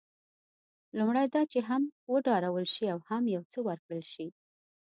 لومړی دا چې هم وډارول شي او هم یو څه ورکړل شي.